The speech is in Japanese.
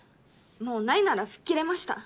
もうないなら吹っ切れました